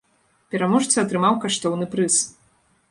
Пераможца атрымаў каштоўны прыз.